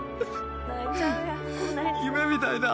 夢みたいだ。